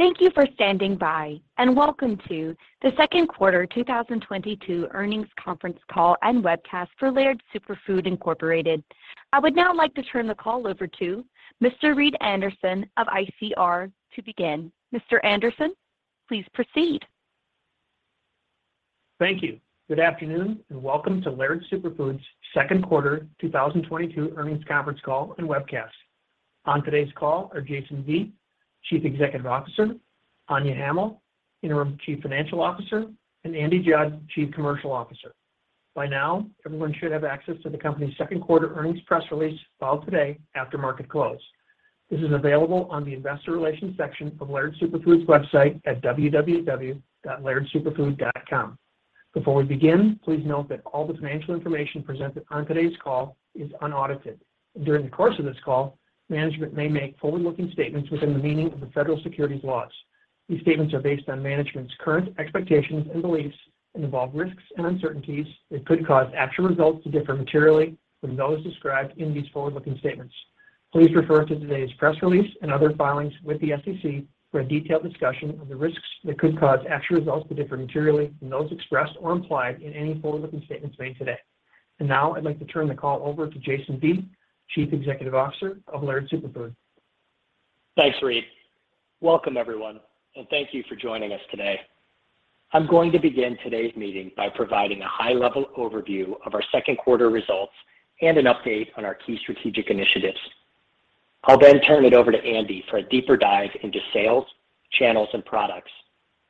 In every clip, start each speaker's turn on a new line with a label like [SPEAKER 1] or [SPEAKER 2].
[SPEAKER 1] Thank you for standing by, and welcome to the second quarter 2022 earnings conference call and webcast for Laird Superfood, Inc. I would now like to turn the call over to Mr. Reed Anderson of ICR to begin. Mr. Anderson, please proceed.
[SPEAKER 2] Thank you. Good afternoon, and welcome to Laird Superfood's second quarter 2022 earnings conference call and webcast. On today's call are Jason Vieth, Chief Executive Officer, Anya Hamill, Interim Chief Financial Officer, and Andy Judd, Chief Commercial Officer. By now, everyone should have access to the company's second quarter earnings press release filed today after market close. This is available on the investor relations section of Laird Superfood's website at www.lairdsuperfood.com. Before we begin, please note that all the financial information presented on today's call is unaudited. During the course of this call, management may make forward-looking statements within the meaning of the federal securities laws. These statements are based on management's current expectations and beliefs and involve risks and uncertainties that could cause actual results to differ materially from those described in these forward-looking statements. Please refer to today's press release and other filings with the SEC for a detailed discussion of the risks that could cause actual results to differ materially from those expressed or implied in any forward-looking statements made today. Now I'd like to turn the call over to Jason Vieth, Chief Executive Officer of Laird Superfood.
[SPEAKER 3] Thanks, Reed. Welcome, everyone, and thank you for joining us today. I'm going to begin today's meeting by providing a high-level overview of our second quarter results and an update on our key strategic initiatives. I'll then turn it over to Andy for a deeper dive into sales, channels, and products,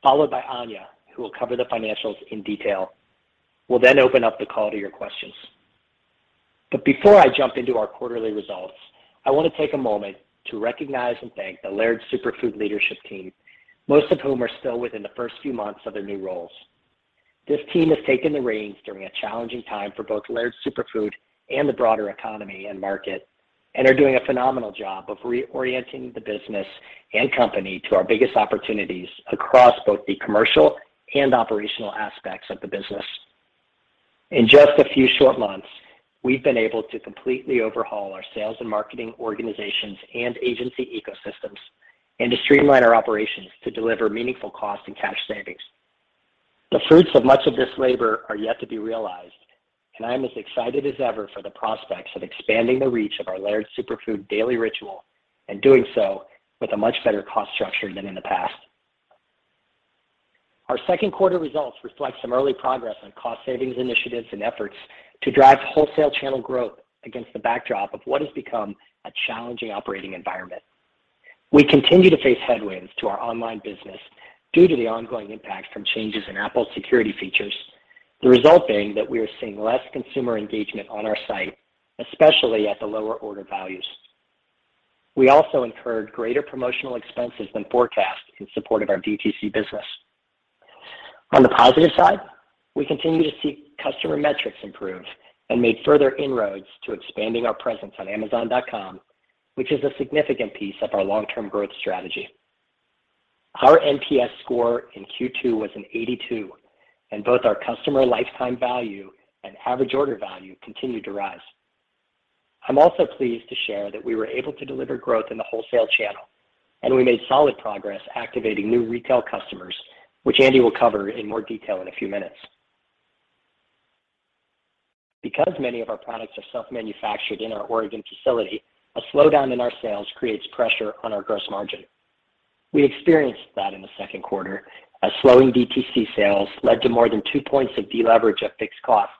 [SPEAKER 3] followed by Anya, who will cover the financials in detail. We'll then open up the call to your questions. Before I jump into our quarterly results, I want to take a moment to recognize and thank the Laird Superfood leadership team, most of whom are still within the first few months of their new roles. This team has taken the reins during a challenging time for both Laird Superfood and the broader economy and market, and are doing a phenomenal job of reorienting the business and company to our biggest opportunities across both the commercial and operational aspects of the business. In just a few short months, we've been able to completely overhaul our sales and marketing organizations and agency ecosystems and to streamline our operations to deliver meaningful cost and cash savings. The fruits of much of this labor are yet to be realized, and I am as excited as ever for the prospects of expanding the reach of our Laird Superfood Daily Ritual and doing so with a much better cost structure than in the past. Our second quarter results reflect some early progress on cost savings initiatives and efforts to drive wholesale channel growth against the backdrop of what has become a challenging operating environment. We continue to face headwinds to our online business due to the ongoing impact from changes in Apple security features, the result being that we are seeing less consumer engagement on our site, especially at the lower order values. We also incurred greater promotional expenses than forecast in support of our DTC business. On the positive side, we continue to see customer metrics improve and made further inroads to expanding our presence on Amazon.com, which is a significant piece of our long-term growth strategy. Our NPS score in Q2 was 82, and both our customer lifetime value and average order value continued to rise. I'm also pleased to share that we were able to deliver growth in the wholesale channel, and we made solid progress activating new retail customers, which Andy will cover in more detail in a few minutes. Because many of our products are self-manufactured in our Oregon facility, a slowdown in our sales creates pressure on our gross margin. We experienced that in the second quarter as slowing DTC sales led to more than two points of deleverage at fixed costs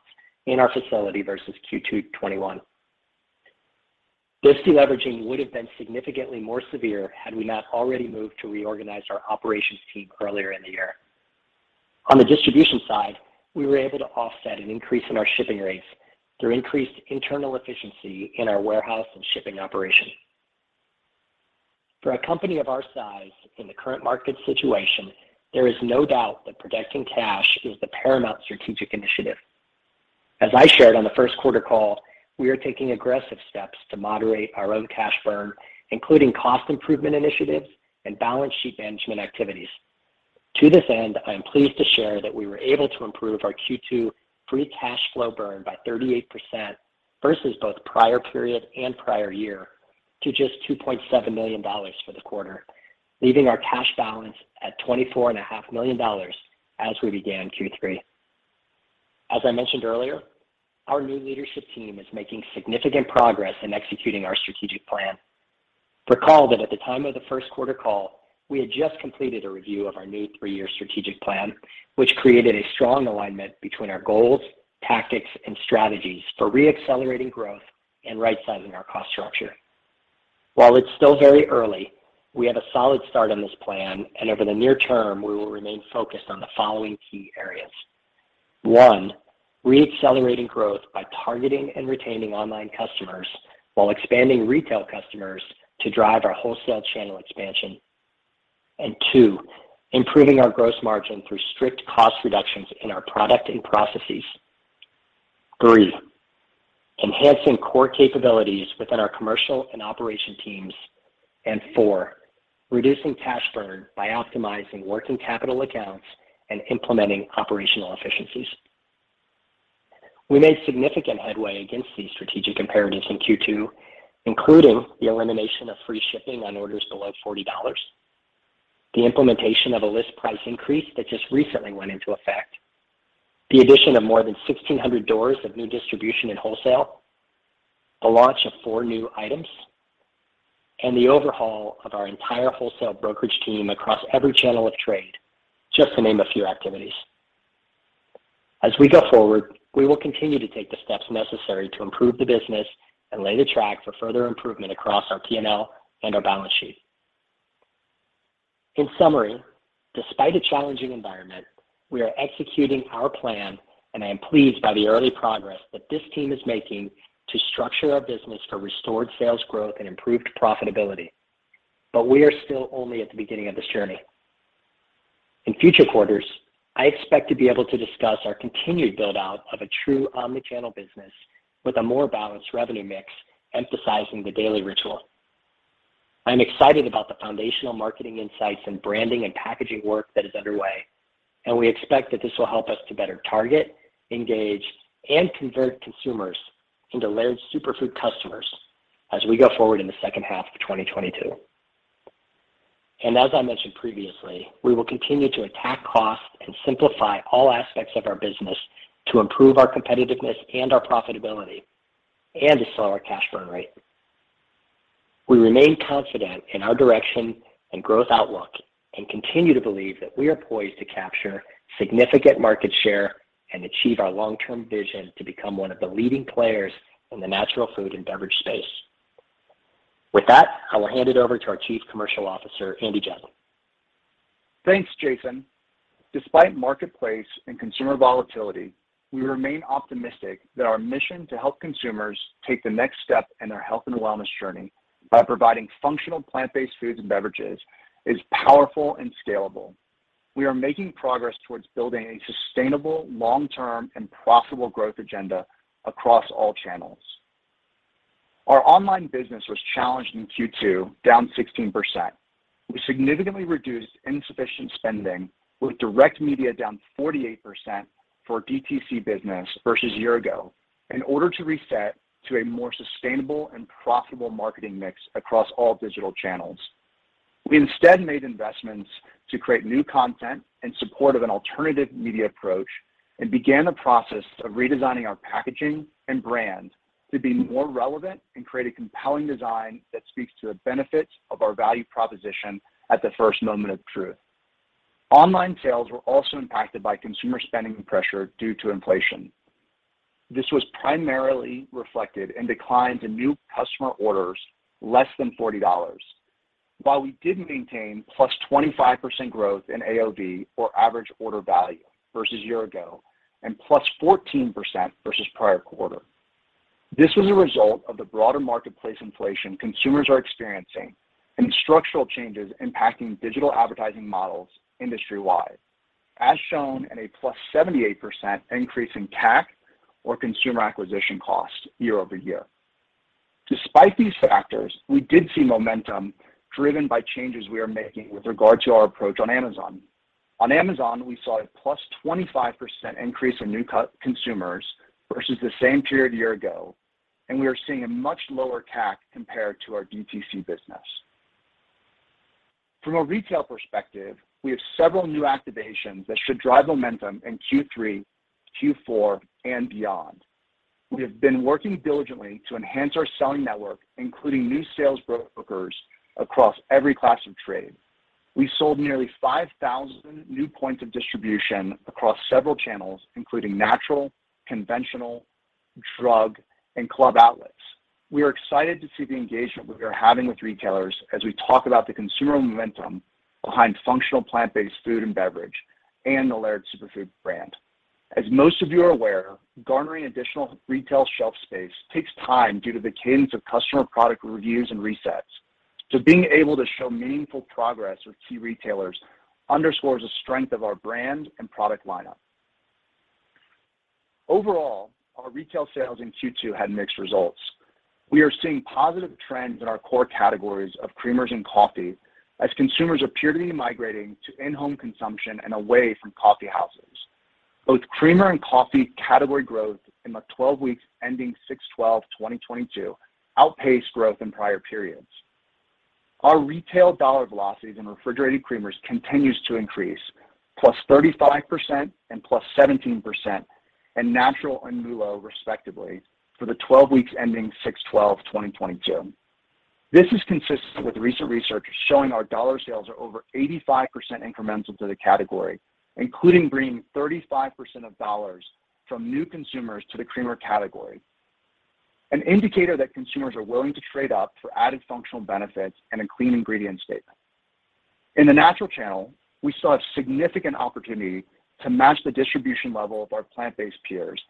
[SPEAKER 3] in our facility versus Q2 2021. This deleveraging would have been significantly more severe had we not already moved to reorganize our operations team earlier in the year. On the distribution side, we were able to offset an increase in our shipping rates through increased internal efficiency in our warehouse and shipping operation. For a company of our size in the current market situation, there is no doubt that protecting cash is the paramount strategic initiative. As I shared on the first quarter call, we are taking aggressive steps to moderate our own cash burn, including cost improvement initiatives and balance sheet management activities. To this end, I am pleased to share that we were able to improve our Q2 free cash flow burn by 38% versus both prior period and prior year to just $2.7 million for the quarter, leaving our cash balance at $24.5 million as we began Q3. As I mentioned earlier, our new leadership team is making significant progress in executing our strategic plan. Recall that at the time of the first quarter call, we had just completed a review of our new three-year strategic plan, which created a strong alignment between our goals, tactics, and strategies for re-accelerating growth and rightsizing our cost structure. While it's still very early, we have a solid start on this plan, and over the near term, we will remain focused on the following key areas. One, re-accelerating growth by targeting and retaining online customers while expanding retail customers to drive our wholesale channel expansion. And two, improving our gross margin through strict cost reductions in our product and processes. Three, enhancing core capabilities within our commercial and operations teams. Four, reducing cash burn by optimizing working capital accounts and implementing operational efficiencies. We made significant headway against these strategic imperatives in Q2, including the elimination of free shipping on orders below $40, the implementation of a list price increase that just recently went into effect, the addition of more than 1,600 doors of new distribution in wholesale, the launch of four new items, and the overhaul of our entire wholesale brokerage team across every channel of trade, just to name a few activities. As we go forward, we will continue to take the steps necessary to improve the business and lay the track for further improvement across our P&L and our balance sheet. In summary, despite a challenging environment, we are executing our plan, and I am pleased by the early progress that this team is making to structure our business for restored sales growth and improved profitability. We are still only at the beginning of this journey. In future quarters, I expect to be able to discuss our continued build-out of a true omni-channel business with a more balanced revenue mix, emphasizing the Daily Ritual. I'm excited about the foundational marketing insights and branding and packaging work that is underway, and we expect that this will help us to better target, engage, and convert consumers into Laird Superfood customers as we go forward in the second half of 2022. As I mentioned previously, we will continue to attack costs and simplify all aspects of our business to improve our competitiveness and our profitability and to slow our cash burn rate. We remain confident in our direction and growth outlook and continue to believe that we are poised to capture significant market share and achieve our long-term vision to become one of the leading players in the natural food and beverage space. With that, I will hand it over to our Chief Commercial Officer, Andy Judd.
[SPEAKER 4] Thanks, Jason. Despite marketplace and consumer volatility, we remain optimistic that our mission to help consumers take the next step in their health and wellness journey by providing functional plant-based foods and beverages is powerful and scalable. We are making progress towards building a sustainable, long-term, and profitable growth agenda across all channels. Our online business was challenged in Q2, down 16%. We significantly reduced insufficient spending with direct media down 48% for DTC business versus year ago in order to reset to a more sustainable and profitable marketing mix across all digital channels. We instead made investments to create new content in support of an alternative media approach and began the process of redesigning our packaging and brand to be more relevant and create a compelling design that speaks to the benefits of our value proposition at the first moment of truth. Online sales were also impacted by consumer spending pressure due to inflation. This was primarily reflected in declines in new customer orders less than $40. While we did maintain +25% growth in AOV or average order value versus year-ago and +14% versus prior quarter. This was a result of the broader marketplace inflation consumers are experiencing and structural changes impacting digital advertising models industry-wide, as shown in a +78% increase in CAC or consumer acquisition cost year-over-year. Despite these factors, we did see momentum driven by changes we are making with regard to our approach on Amazon. On Amazon, we saw a +25% increase in new consumers versus the same period a year ago, and we are seeing a much lower CAC compared to our DTC business. From a retail perspective, we have several new activations that should drive momentum in Q3, Q4, and beyond. We have been working diligently to enhance our selling network, including new sales brokers across every class of trade. We sold nearly 5,000 new points of distribution across several channels, including natural, conventional, drug, and club outlets. We are excited to see the engagement we are having with retailers as we talk about the consumer momentum behind functional plant-based food and beverage and the Laird Superfood brand. As most of you are aware, garnering additional retail shelf space takes time due to the cadence of customer product reviews and resets. Being able to show meaningful progress with key retailers underscores the strength of our brand and product lineup. Overall, our retail sales in Q2 had mixed results. We are seeing positive trends in our core categories of creamers and coffee as consumers appear to be migrating to in-home consumption and away from coffee houses. Both creamer and coffee category growth in the 12 weeks ending 6/12/2022 outpaced growth in prior periods. Our retail dollar velocities in refrigerated creamers continues to increase, +35% and +17% in natural and MULO, respectively, for the 12 weeks ending 6/12/2022. This is consistent with recent research showing our dollar sales are over 85% incremental to the category, including bringing 35% of dollars from new consumers to the creamer category, an indicator that consumers are willing to trade up for added functional benefits and a clean ingredient statement. In the natural channel, we saw a significant opportunity to match the distribution level of our plant-based peers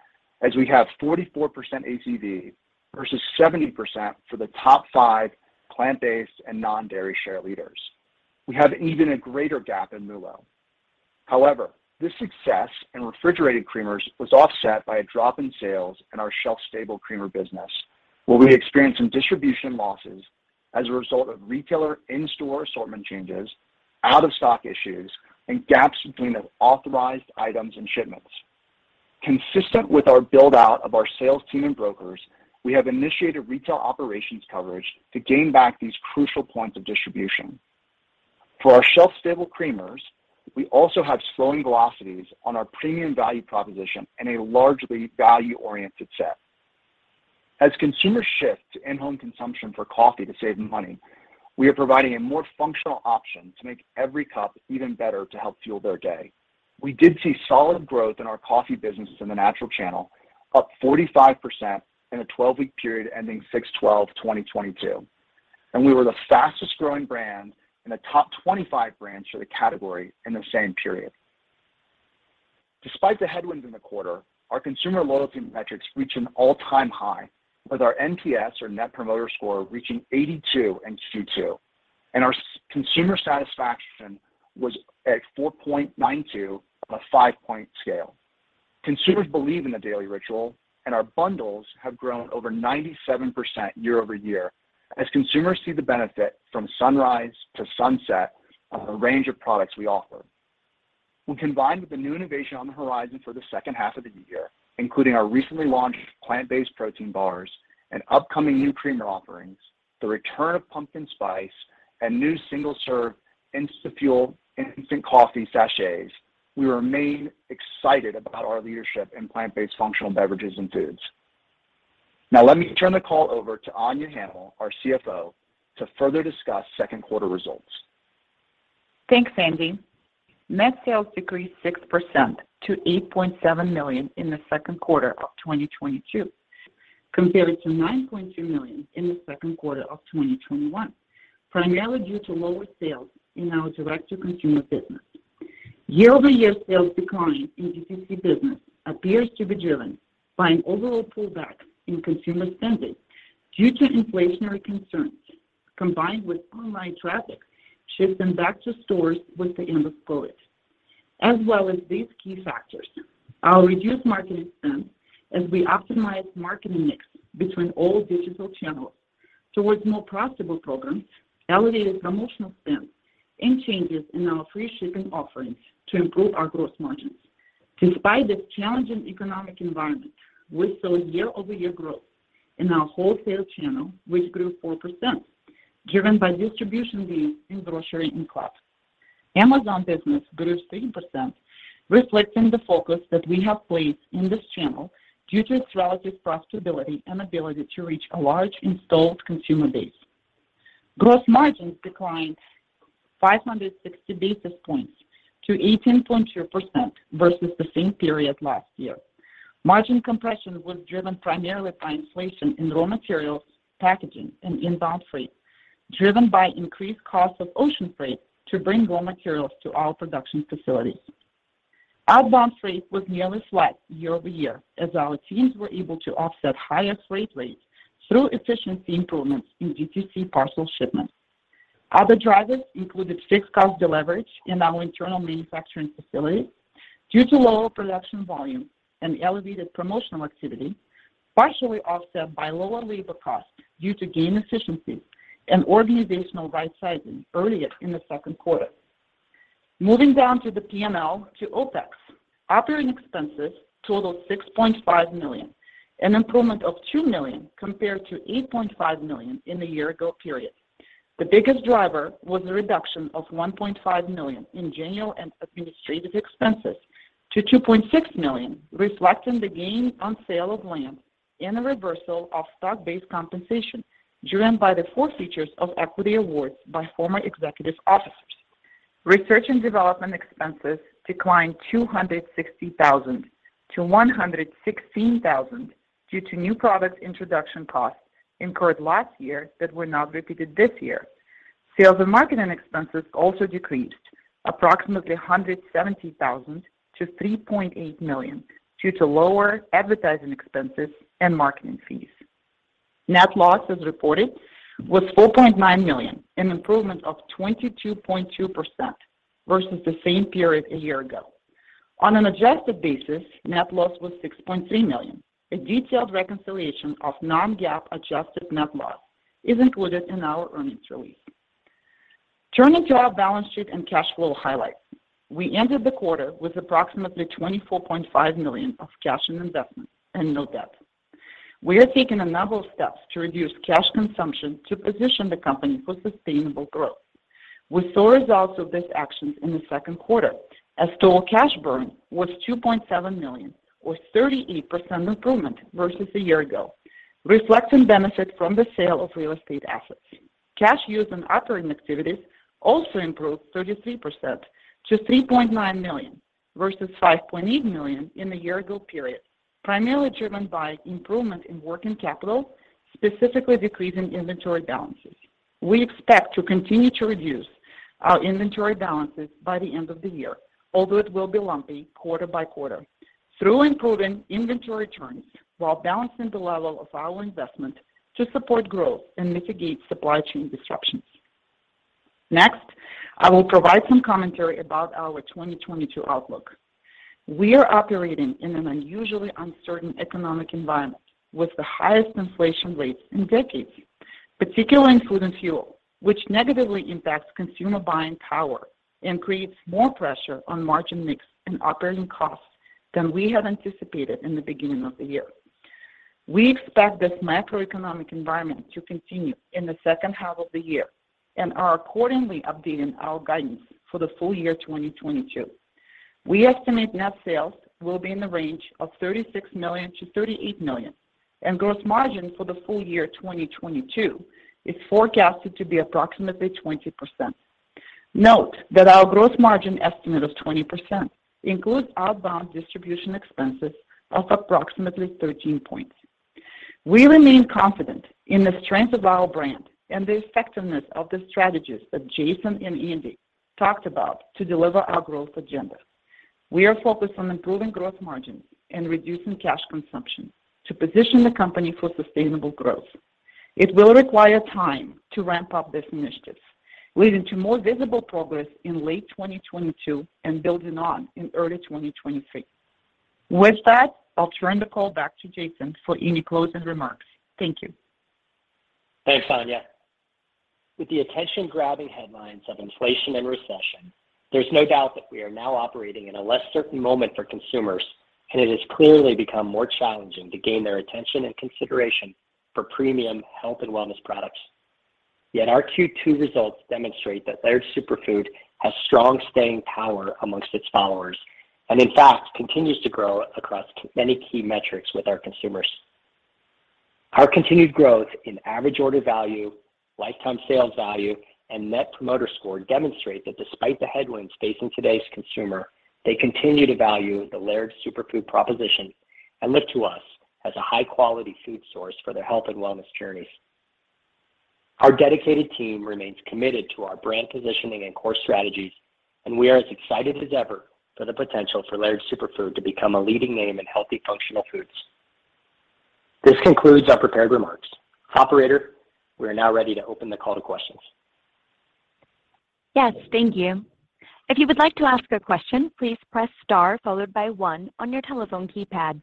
[SPEAKER 4] as we have 44% ACV versus 70% for the top five plant-based and non-dairy share leaders. We have even a greater gap in MULO. However, this success in refrigerated creamers was offset by a drop in sales in our shelf-stable creamer business, where we experienced some distribution losses as a result of retailer in-store assortment changes. Out of stock issues and gaps between the authorized items and shipments. Consistent with our build-out of our sales team and brokers, we have initiated retail operations coverage to gain back these crucial points of distribution. For our shelf-stable creamers, we also have slowing velocities on our premium value proposition and a largely value-oriented set. As consumers shift to in-home consumption for coffee to save money, we are providing a more functional option to make every cup even better to help fuel their day. We did see solid growth in our coffee businesses in the natural channel, up 45% in a 12-week period ending 6/12/2022, and we were the fastest-growing brand in the top 25 brands for the category in the same period. Despite the headwinds in the quarter, our consumer loyalty metrics reached an all-time high, with our NPS or Net Promoter Score reaching 82 in Q2, and our consumer satisfaction was at 4.92 on a 5-point scale. Consumers believe in the Daily Ritual, and our bundles have grown over 97% year-over-year as consumers see the benefit from sunrise to sunset of the range of products we offer. When combined with the new innovation on the horizon for the second half of the year, including our recently launched plant-based protein bars and upcoming new creamer offerings, the return of Pumpkin Spice, and new single-serve Instafuel instant coffee sachets, we remain excited about our leadership in plant-based functional beverages and foods. Now let me turn the call over to Anya Hamill, our CFO, to further discuss second quarter results.
[SPEAKER 5] Thanks, Andy. Net sales decreased 6% to $8.7 million in the second quarter of 2022, compared to $9.2 million in the second quarter of 2021, primarily due to lower sales in our direct-to-consumer business. Year-over-year sales decline in DTC business appears to be driven by an overall pullback in consumer spending due to inflationary concerns, combined with online traffic shifting back to stores with the end of COVID. As well as these key factors, our reduced marketing spend as we optimize marketing mix between all digital channels towards more profitable programs, elevated promotional spend, and changes in our free shipping offerings to improve our gross margins. Despite this challenging economic environment, we saw year-over-year growth in our wholesale channel, which grew 4%, driven by distribution gains in grocery and club. Amazon business grew 3%, reflecting the focus that we have placed in this channel due to its relative profitability and ability to reach a large installed consumer base. Gross margins declined 560 basis points to 18.2% versus the same period last year. Margin compression was driven primarily by inflation in raw materials, packaging, and inbound freight, driven by increased costs of ocean freight to bring raw materials to our production facilities. Outbound freight was nearly flat year-over-year as our teams were able to offset higher freight rates through efficiency improvements in DTC parcel shipments. Other drivers included fixed cost deleverage in our internal manufacturing facilities due to lower production volume and elevated promotional activity, partially offset by lower labor costs due to gain efficiencies and organizational rightsizing earlier in the second quarter. Moving down to the P&L to OpEx. Operating expenses totaled $6.5 million, an improvement of $2 million compared to $8.5 million in the year-ago period. The biggest driver was a reduction of $1.5 million in general and administrative expenses to $2.6 million, reflecting the gain on sale of land and a reversal of stock-based compensation driven by the forfeitures of equity awards by former executive officers. Research and development expenses declined $260,000 to $116,000 due to new product introduction costs incurred last year that were not repeated this year. Sales and marketing expenses also decreased approximately $170,000 to $3.8 million due to lower advertising expenses and marketing fees. Net loss, as reported, was $4.9 million, an improvement of 22.2% versus the same period a year ago. On an adjusted basis, net loss was $6.3 million. A detailed reconciliation of non-GAAP adjusted net loss is included in our earnings release. Turning to our balance sheet and cash flow highlights. We ended the quarter with approximately $24.5 million of cash and investments and no debt. We are taking a number of steps to reduce cash consumption to position the company for sustainable growth. We saw results of these actions in the second quarter as total cash burn was $2.7 million or 38% improvement versus a year ago, reflecting benefit from the sale of real estate assets. Cash used in operating activities also improved 33% to $3.9 million versus $5.8 million in the year ago period, primarily driven by improvement in working capital, specifically decreasing inventory balances. We expect to continue to reduce our inventory balances by the end of the year, although it will be lumpy quarter by quarter, through improving inventory turns while balancing the level of our investment to support growth and mitigate supply chain disruptions. Next, I will provide some commentary about our 2022 outlook. We are operating in an unusually uncertain economic environment with the highest inflation rates in decades, particularly in food and fuel, which negatively impacts consumer buying power and creates more pressure on margin mix and operating costs than we had anticipated in the beginning of the year. We expect this macroeconomic environment to continue in the second half of the year and are accordingly updating our guidance for the full year, 2022. We estimate net sales will be in the range of $36 million-$38 million, and gross margin for the full year, 2022, is forecasted to be approximately 20%. Note that our gross margin estimate of 20% includes outbound distribution expenses of approximately 13 points. We remain confident in the strength of our brand and the effectiveness of the strategies that Jason and Andy talked about to deliver our growth agenda. We are focused on improving growth margins and reducing cash consumption to position the company for sustainable growth. It will require time to ramp up these initiatives, leading to more visible progress in late 2022 and building on in early 2023. With that, I'll turn the call back to Jason for any closing remarks. Thank you.
[SPEAKER 3] Thanks, Anya. With the attention-grabbing headlines of inflation and recession, there's no doubt that we are now operating in a less certain moment for consumers, and it has clearly become more challenging to gain their attention and consideration for premium health and wellness products. Yet our Q2 results demonstrate that Laird Superfood has strong staying power among its followers and, in fact, continues to grow across many key metrics with our consumers. Our continued growth in average order value, lifetime sales value, and net promoter score demonstrate that despite the headwinds facing today's consumer, they continue to value the Laird Superfood proposition and look to us as a high-quality food source for their health and wellness journeys. Our dedicated team remains committed to our brand positioning and core strategies, and we are as excited as ever for the potential for Laird Superfood to become a leading name in healthy functional foods. This concludes our prepared remarks. Operator, we are now ready to open the call to questions.
[SPEAKER 1] Yes, thank you. If you would like to ask a question, please press star followed by one on your telephone keypad.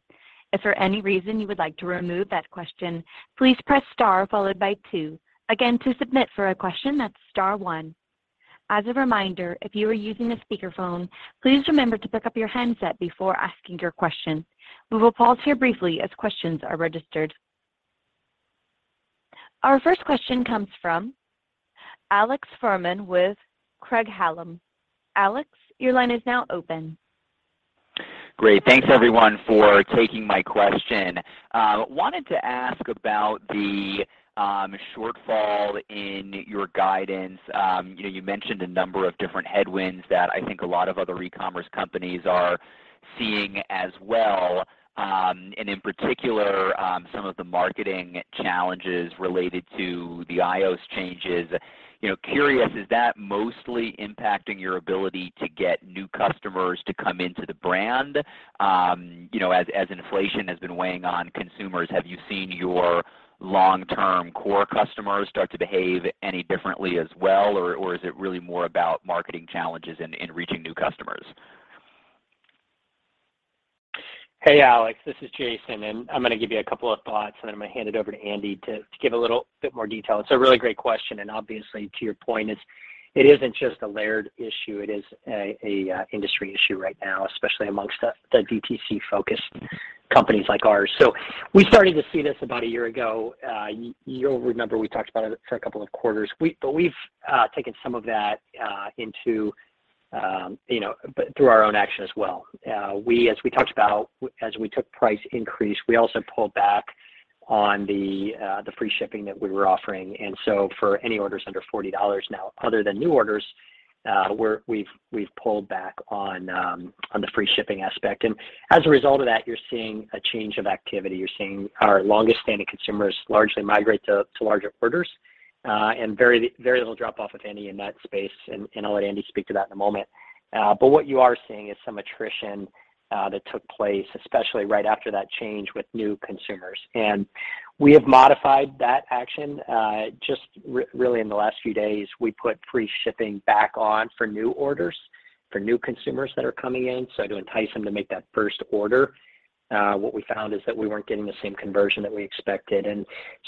[SPEAKER 1] If for any reason you would like to remove that question, please press star followed by two. Again, to submit for a question, that's star one. As a reminder, if you are using a speakerphone, please remember to pick up your handset before asking your question. We will pause here briefly as questions are registered. Our first question comes from Alex Fuhrman with Craig-Hallum. Alex, your line is now open.
[SPEAKER 6] Great. Thanks everyone for taking my question. Wanted to ask about the shortfall in your guidance. You know, you mentioned a number of different headwinds that I think a lot of other e-commerce companies are seeing as well, and in particular, some of the marketing challenges related to the iOS changes. You know, curious, is that mostly impacting your ability to get new customers to come into the brand? You know, as inflation has been weighing on consumers, have you seen your long-term core customers start to behave any differently as well, or is it really more about marketing challenges in reaching new customers?
[SPEAKER 3] Hey, Alex, this is Jason, and I'm gonna give you a couple of thoughts, and then I'm gonna hand it over to Andy to give a little bit more detail. It's a really great question, and obviously, to your point, it isn't just a Laird issue. It is an industry issue right now, especially among the DTC-focused companies like ours. We started to see this about a year ago. You'll remember we talked about it for a couple of quarters. We've taken some of that you know both through our own action as well. We, as we talked about, as we took price increase, we also pulled back on the free shipping that we were offering. For any orders under $40 now, other than new orders, we've pulled back on the free shipping aspect. As a result of that, you're seeing a change of activity. You're seeing our longest-standing consumers largely migrate to larger orders and very little drop off, if any, in that space. I'll let Andy speak to that in a moment. But what you are seeing is some attrition that took place, especially right after that change with new consumers. We have modified that action just really in the last few days. We put free shipping back on for new orders for new consumers that are coming in, so to entice them to make that first order. What we found is that we weren't getting the same conversion that we expected.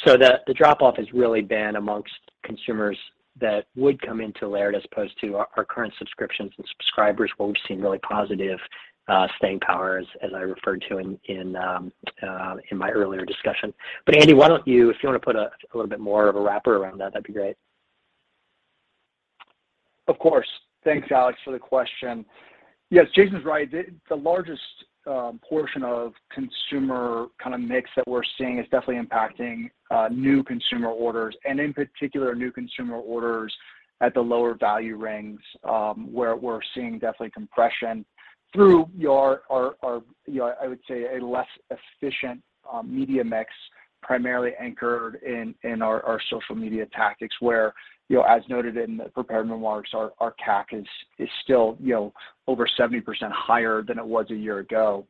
[SPEAKER 3] The drop off has really been amongst consumers that would come into Laird as opposed to our current subscriptions and subscribers, where we've seen really positive staying power, as I referred to in my earlier discussion. Andy, why don't you, if you wanna put a little bit more of a wrapper around that'd be great.
[SPEAKER 4] Of course. Thanks, Alex, for the question. Yes, Jason's right. The largest portion of consumer kind of mix that we're seeing is definitely impacting new consumer orders and, in particular, new consumer orders at the lower value rings, where we're seeing definitely compression through our, you know, I would say a less efficient media mix, primarily anchored in our social media tactics, where, you know, as noted in the prepared remarks, our CAC is still, you know, over 70% higher than it was a year ago.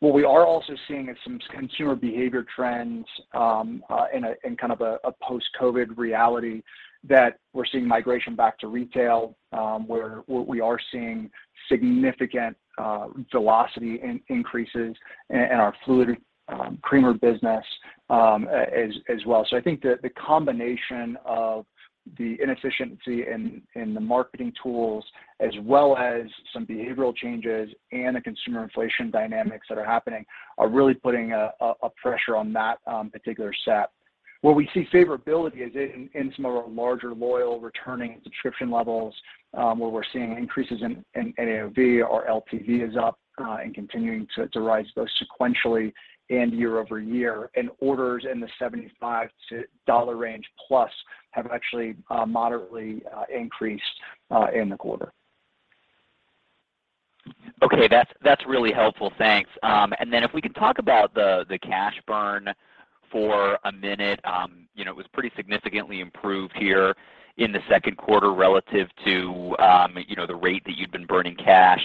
[SPEAKER 4] What we are also seeing is some consumer behavior trends in a post-COVID reality that we're seeing migration back to retail, where we are seeing significant velocity increases in our fluid creamer business as well. I think that the combination of the inefficiency in the marketing tools, as well as some behavioral changes and the consumer inflation dynamics that are happening are really putting a pressure on that particular set. Where we see favorability is in some of our larger loyal returning subscription levels, where we're seeing increases in AOV. Our LTV is up, and continuing to rise both sequentially and year-over-year. Orders in the $75 range plus have actually moderately increased in the quarter.
[SPEAKER 6] Okay. That's really helpful. Thanks. If we can talk about the cash burn for a minute. You know, it was pretty significantly improved here in the second quarter relative to you know, the rate that you'd been burning cash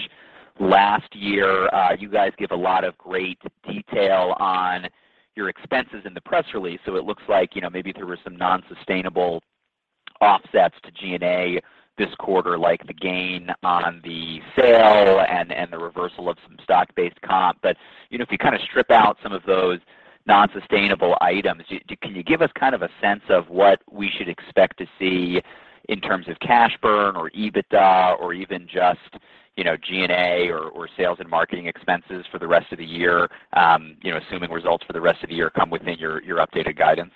[SPEAKER 6] last year. You guys give a lot of great detail on your expenses in the press release, so it looks like, you know, maybe there were some non-sustainable offsets to G&A this quarter, like the gain on the sale and the reversal of some stock-based comp. You know, if you kind of strip out some of those non-sustainable items, can you give us kind of a sense of what we should expect to see in terms of cash burn or EBITDA or even just, you know, G&A or sales and marketing expenses for the rest of the year, you know, assuming results for the rest of the year come within your updated guidance?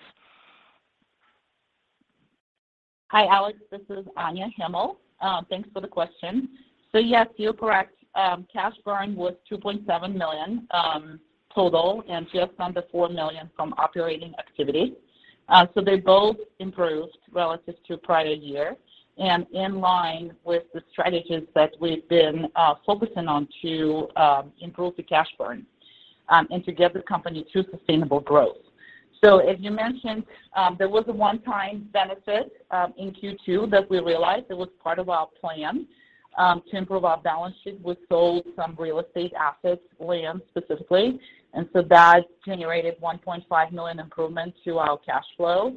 [SPEAKER 5] Hi, Alex. This is Anya Hamill. Thanks for the question. Yes, you're correct. Cash burn was $2.7 million total, and just under $4 million from operating activity. They both improved relative to prior year and in line with the strategies that we've been focusing on to improve the cash burn and to get the company to sustainable growth. As you mentioned, there was a one-time benefit in Q2 that we realized. It was part of our plan to improve our balance sheet. We sold some real estate assets, land specifically. That generated $1.5 million improvement to our cash flow.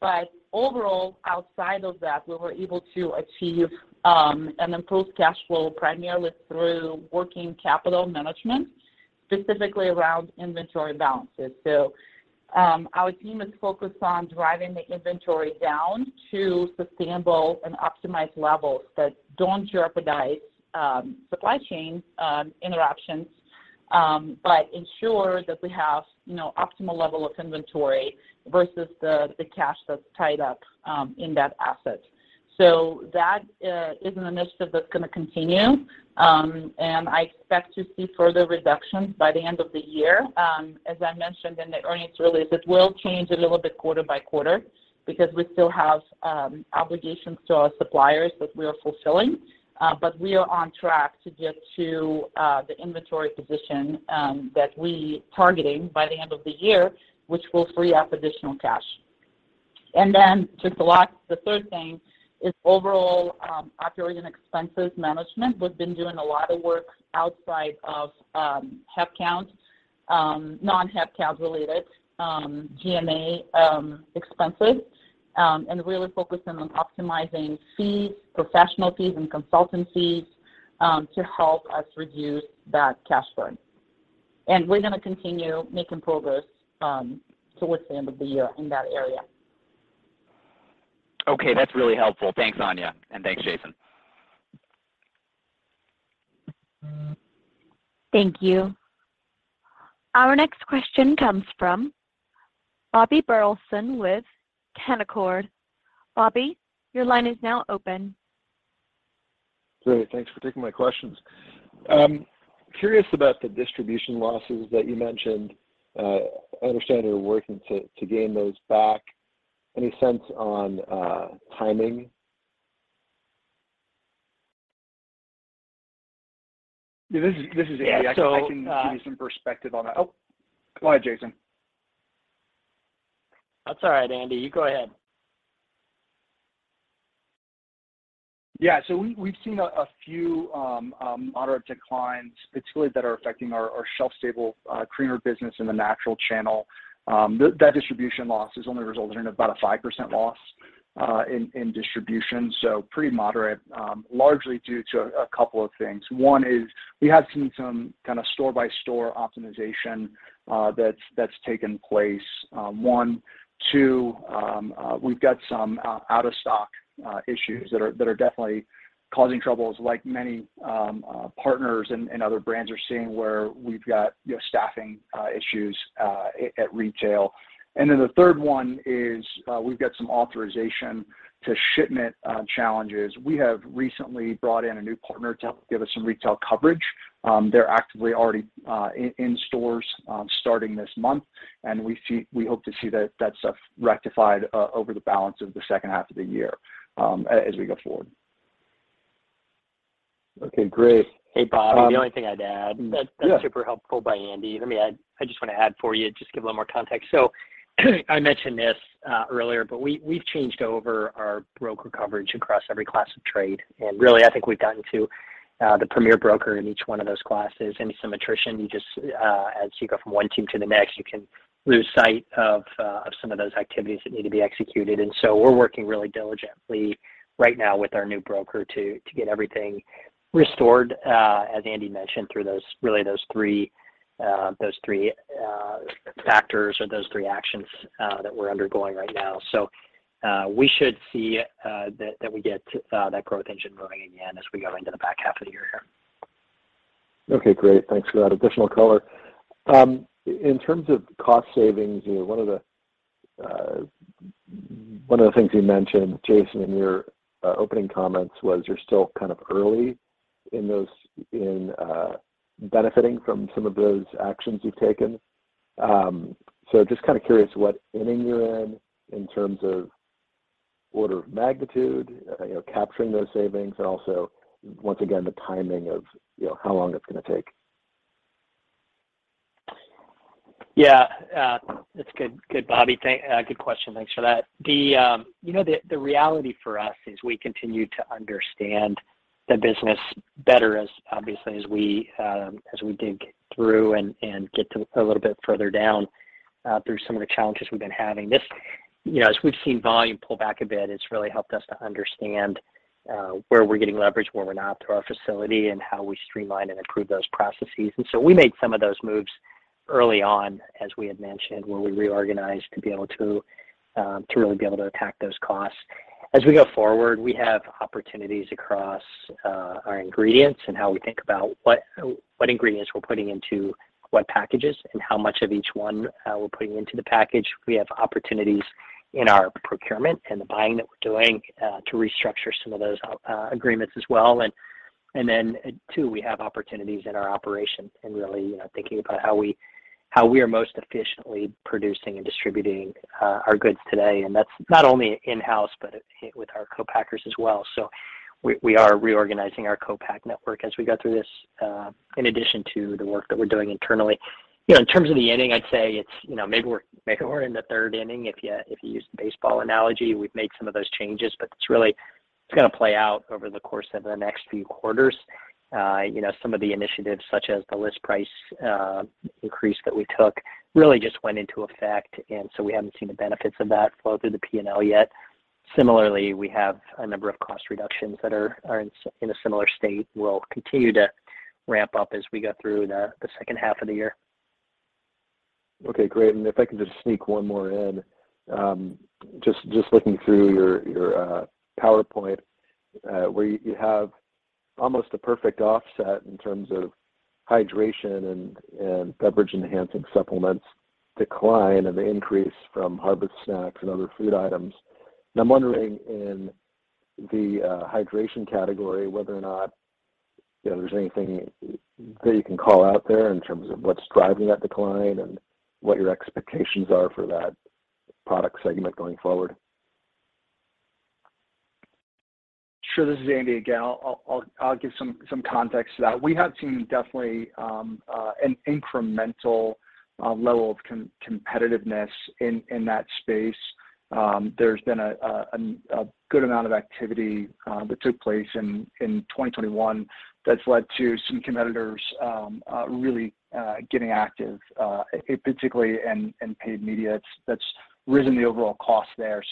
[SPEAKER 5] But overall, outside of that, we were able to achieve an improved cash flow primarily through working capital management, specifically around inventory balances. Our team is focused on driving the inventory down to sustainable and optimized levels that don't jeopardize supply chain interruptions, but ensure that we have you know optimal level of inventory versus the cash that's tied up in that asset. That is an initiative that's gonna continue, and I expect to see further reductions by the end of the year. As I mentioned in the earnings release, it will change a little bit quarter by quarter because we still have obligations to our suppliers that we are fulfilling. We are on track to get to the inventory position that we targeting by the end of the year, which will free up additional cash. Just the last, the third thing is overall operating expenses management. We've been doing a lot of work outside of head count, non-headcount related G&A expenses, and really focusing on optimizing fees, professional fees and consultant fees, to help us reduce that cash burn. We're gonna continue making progress towards the end of the year in that area.
[SPEAKER 6] Okay. That's really helpful. Thanks, Anya, and thanks, Jason.
[SPEAKER 1] Thank you. Our next question comes from Bobby Burleson with Canaccord. Bobby, your line is now open.
[SPEAKER 7] Great. Thanks for taking my questions. I'm curious about the distribution losses that you mentioned. I understand you're working to gain those back. Any sense on timing?
[SPEAKER 4] Yeah, this is Andy.
[SPEAKER 3] Yeah, so.
[SPEAKER 4] I can give you some perspective on that. Oh, go ahead, Jason.
[SPEAKER 3] That's all right, Andy. You go ahead.
[SPEAKER 4] Yeah. We've seen a few moderate declines particularly that are affecting our shelf stable creamer business in the natural channel. That distribution loss has only resulted in about a 5% loss in distribution, so pretty moderate. Largely due to a couple of things. One is we have seen some kind of store by store optimization that's taken place, one. Two, we've got some out of stock issues that are definitely causing troubles like many partners and other brands are seeing where we've got, you know, staffing issues at retail. The third one is, we've got some authorization to shipment challenges. We have recently brought in a new partner to help give us some retail coverage. They're actively already in stores starting this month, and we hope to see that stuff rectified over the balance of the second half of the year, as we go forward.
[SPEAKER 7] Okay, great.
[SPEAKER 3] Hey, Bob. The only thing I'd add.
[SPEAKER 7] Yeah.
[SPEAKER 3] That's super helpful from Andy. Let me add. I just wanna add for you just to give a little more context. I mentioned this earlier, but we've changed over our broker coverage across every class of trade. Really, I think we've gotten to the premier broker in each one of those classes. Some attrition, you just as you go from one team to the next, you can lose sight of some of those activities that need to be executed. We're working really diligently right now with our new broker to get everything restored, as Andy mentioned, through those three factors or those three actions that we're undergoing right now. We should see that we get to that growth engine running again as we go into the back half of the year here.
[SPEAKER 7] Okay, great. Thanks for that additional color. In terms of cost savings, you know, one of the things you mentioned, Jason, in your opening comments was you're still kind of early in benefiting from some of those actions you've taken. So just kind of curious what inning you're in in terms of order of magnitude, you know, capturing those savings and also, once again, the timing of, you know, how long it's gonna take.
[SPEAKER 3] Yeah. That's good, Bobby. Good question. Thanks for that. The you know, the reality for us is we continue to understand the business better as, obviously, as we dig through and get to a little bit further down through some of the challenges we've been having. This you know, as we've seen volume pull back a bit, it's really helped us to understand where we're getting leverage, where we're not through our facility, and how we streamline and improve those processes. We made some of those moves early on, as we had mentioned, where we reorganized to be able to really be able to attack those costs. As we go forward, we have opportunities across our ingredients and how we think about what ingredients we're putting into what packages and how much of each one we're putting into the package. We have opportunities in our procurement and the buying that we're doing to restructure some of those agreements as well. Too, we have opportunities in our operations and really, you know, thinking about how we are most efficiently producing and distributing our goods today, and that's not only in-house, but with our co-packers as well. We are reorganizing our co-pack network as we go through this in addition to the work that we're doing internally. You know, in terms of the inning, I'd say it's, you know, maybe we're in the third inning if you use the baseball analogy. We've made some of those changes, but it's really, it's gonna play out over the course of the next few quarters. You know, some of the initiatives such as the list price increase that we took really just went into effect, and so we haven't seen the benefits of that flow through the P&L yet. Similarly, we have a number of cost reductions that are in a similar state will continue to ramp up as we go through the second half of the year.
[SPEAKER 7] Okay, great. If I could just sneak one more in. Just looking through your PowerPoint, where you have almost a perfect offset in terms of hydration and beverage-enhancing supplements decline and the increase from Harvest Snaps and other food items. I'm wondering, in the hydration category, whether or not, you know, there's anything that you can call out there in terms of what's driving that decline and what your expectations are for that product segment going forward.
[SPEAKER 4] Sure. This is Andy again. I'll give some context to that. We have seen definitely an incremental level of competitiveness in that space. There's been a good amount of activity that took place in 2021 that's led to some competitors really getting active particularly in paid media that's risen the overall cost there.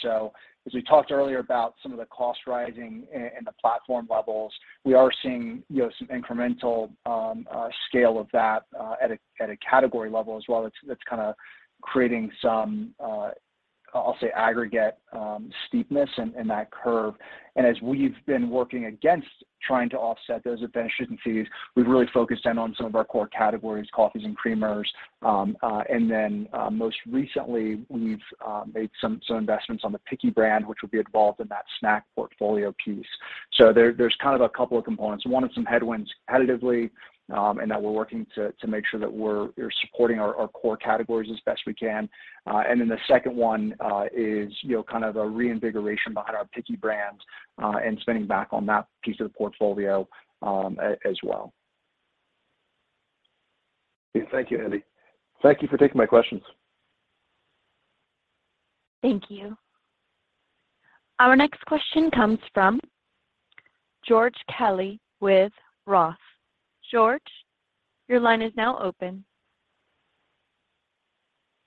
[SPEAKER 4] As we talked earlier about some of the cost rising in the platform levels, we are seeing you know some incremental scale of that at a category level as well that's kinda creating some I'll say aggregate steepness in that curve. As we've been working against trying to offset those efficiencies, we've really focused in on some of our core categories, coffees and creamers. Most recently, we've made some investments on the Picky brand, which would be involved in that snack portfolio piece. There's kind of a couple of components. One is some headwinds competitively, and that we're working to make sure that we're supporting our core categories as best we can. The second one is, you know, kind of a reinvigoration behind our Picky brands, and spending back on that piece of the portfolio, as well.
[SPEAKER 7] Thank you, Andy. Thank you for taking my questions.
[SPEAKER 1] Thank you. Our next question comes from George Kelly with Roth. George, your line is now open.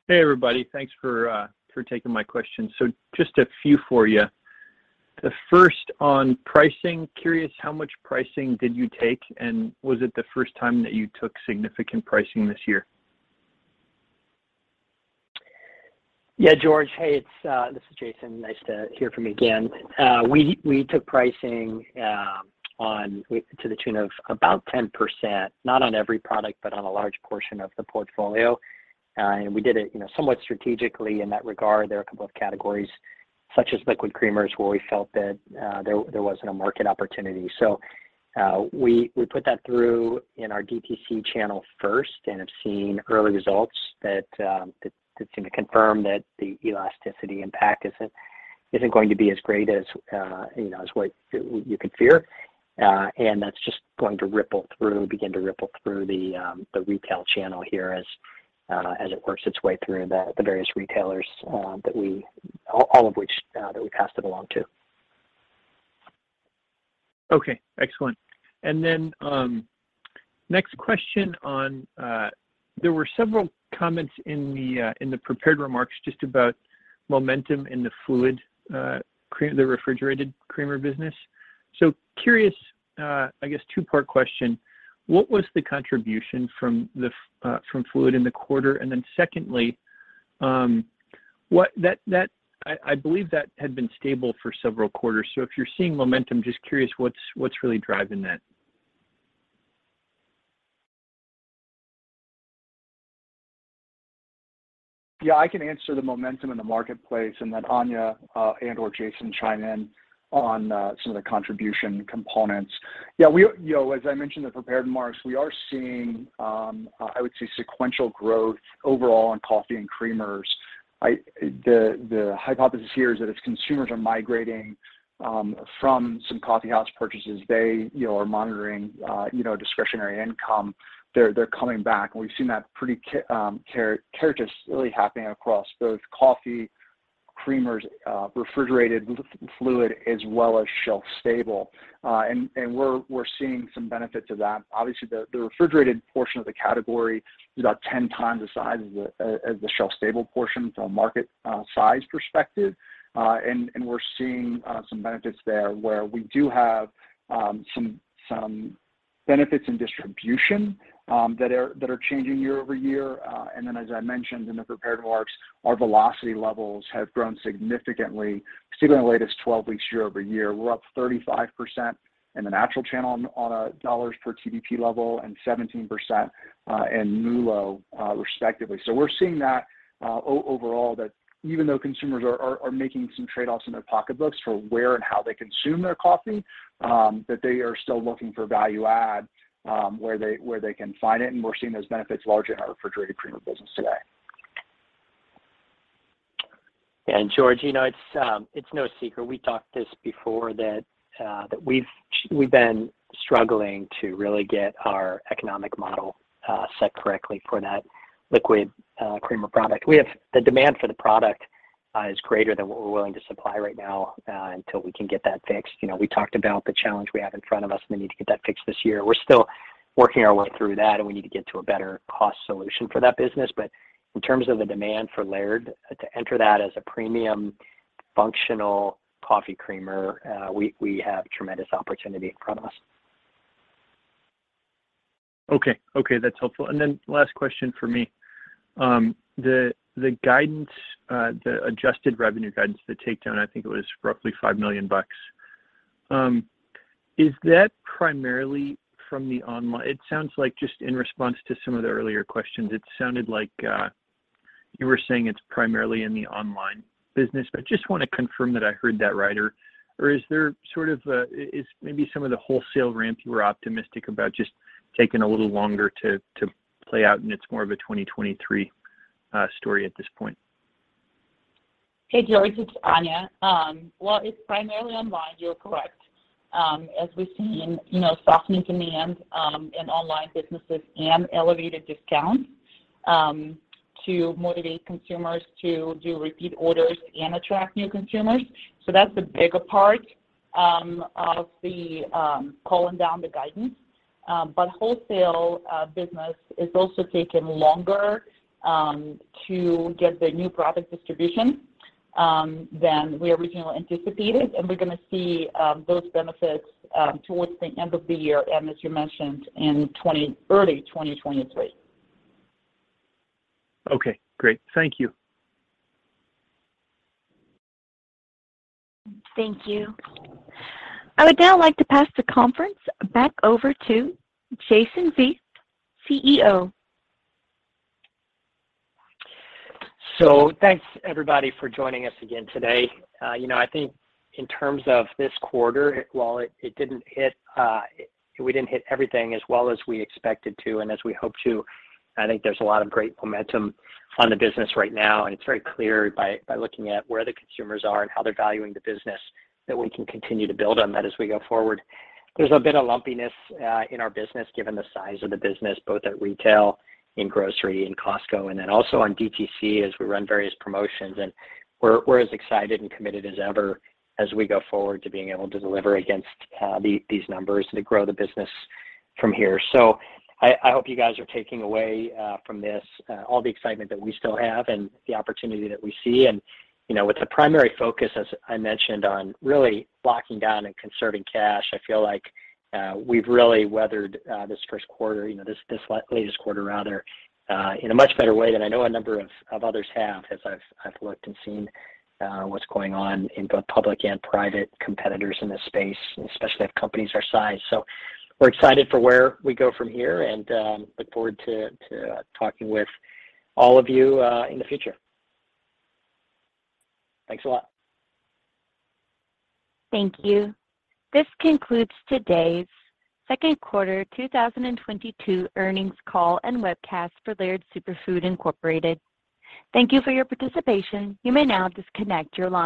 [SPEAKER 8] Hey, everybody. Thanks for taking my questions. Just a few for you. The first on pricing. Curious how much pricing did you take, and was it the first time that you took significant pricing this year?
[SPEAKER 3] Yeah, George. Hey, it's this is Jason. Nice to hear from you again. We took pricing on to the tune of about 10%, not on every product, but on a large portion of the portfolio. We did it, you know, somewhat strategically in that regard. There are a couple of categories such as liquid creamers where we felt that there wasn't a market opportunity. We put that through in our DTC channel first and have seen early results that seem to confirm that the elasticity impact isn't going to be as great as you know, as what you could fear. That's just going to ripple through the retail channel here as it works its way through the various retailers, all of which we passed it along to.
[SPEAKER 8] Okay, excellent. Next question on there were several comments in the prepared remarks just about momentum in the fluid, the refrigerated creamer business. Curious, I guess two-part question. What was the contribution from the fuel in the quarter? And then secondly, that I believe that had been stable for several quarters. If you're seeing momentum, just curious what's really driving that?
[SPEAKER 4] Yeah, I can answer the momentum in the marketplace, and then Anya and/or Jason chime in on some of the contribution components. Yeah, we, you know, as I mentioned in the prepared remarks, we are seeing, I would say sequential growth overall in coffee and creamers. The hypothesis here is that as consumers are migrating from some coffee house purchases, they, you know, are monitoring you know discretionary income. They're coming back, and we've seen that pretty characteristic really happening across both coffee creamers, refrigerated fluid as well as shelf stable. And we're seeing some benefit to that. Obviously, the refrigerated portion of the category is about 10x the size of the shelf stable portion from a market size perspective. We're seeing some benefits there where we do have some benefits in distribution that are changing year-over-year. As I mentioned in the prepared remarks, our velocity levels have grown significantly, particularly in the latest 12 weeks year-over-year. We're up 35% in the natural channel on a dollars per TDP level and 17% in MULO, respectively. We're seeing that overall, that even though consumers are making some trade-offs in their pocketbooks for where and how they consume their coffee, that they are still looking for value add, where they can find it, and we're seeing those benefits largely in our refrigerated creamer business today.
[SPEAKER 3] George, you know, it's no secret. We talked about this before, that we've been struggling to really get our economic model set correctly for that liquid creamer product. We have the demand for the product is greater than what we're willing to supply right now until we can get that fixed. You know, we talked about the challenge we have in front of us, and we need to get that fixed this year. We're still working our way through that, and we need to get to a better cost solution for that business. In terms of the demand for Laird to enter that as a premium functional coffee creamer, we have tremendous opportunity in front of us.
[SPEAKER 8] Okay. That's helpful. Last question from me. The guidance, the adjusted revenue guidance, the takedown, I think it was roughly $5 million, is that primarily from the online? It sounds like, just in response to some of the earlier questions, it sounded like you were saying it's primarily in the online business. Just wanna confirm that I heard that right or is there sort of a, is maybe some of the wholesale ramp you were optimistic about just taking a little longer to play out, and it's more of a 2023 story at this point?
[SPEAKER 5] Hey, George, it's Anya. Well, it's primarily online, you're correct. As we've seen, you know, softening demand in online businesses and elevated discounts to motivate consumers to do repeat orders and attract new consumers. That's the bigger part of the calling down the guidance. Wholesale business is also taking longer to get the new product distribution than we originally anticipated, and we're gonna see those benefits towards the end of the year and, as you mentioned, in early 2023.
[SPEAKER 8] Okay, great. Thank you.
[SPEAKER 1] Thank you. I would now like to pass the conference back over to Jason Vieth, CEO.
[SPEAKER 3] Thanks everybody for joining us again today. You know, I think in terms of this quarter, while we didn't hit everything as well as we expected to and as we hoped to, I think there's a lot of great momentum on the business right now, and it's very clear by looking at where the consumers are and how they're valuing the business that we can continue to build on that as we go forward. There's a bit of lumpiness in our business given the size of the business, both at retail, in grocery, in Costco, and then also on DTC as we run various promotions. We're as excited and committed as ever as we go forward to being able to deliver against these numbers and to grow the business from here. I hope you guys are taking away from this all the excitement that we still have and the opportunity that we see. You know, with the primary focus, as I mentioned, on really locking down and conserving cash, I feel like we've really weathered this first quarter, you know, this latest quarter rather, in a much better way than I know a number of others have as I've looked and seen what's going on in both public and private competitors in this space, and especially at companies our size. We're excited for where we go from here and look forward to talking with all of you in the future. Thanks a lot.
[SPEAKER 1] Thank you. This concludes today's second quarter 2022 earnings call and webcast for Laird Superfood, Inc. Thank you for your participation. You may now disconnect your line.